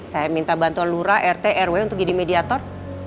saya minta bantuan lura rt rw untuk jadi mediator